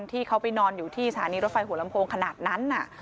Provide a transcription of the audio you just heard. ที่เขาไปนอนอยู่ที่สถานีรถไฟหัวลำโพงขนาดนั้น